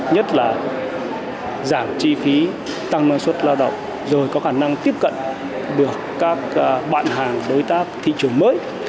nhất là giảm chi phí tăng năng suất lao động rồi có khả năng tiếp cận được các bạn hàng đối tác thị trường mới